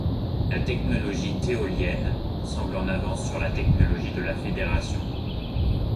La technologie tholienne semble en avance sur la technologie de la Fédération.